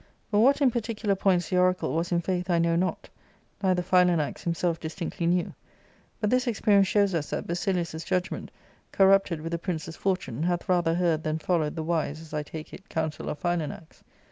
But what in particuli^f points the oracle was, in w iaith 1 know not ; neither Philanax himself distinctly knew. But this experience shows us that Baifilius' judgment, cornjjgted with a. prince's fortune^ hath rathd^ heard thanJhJiQwed the wis© (as. Xtjake it) counsel of Philanax.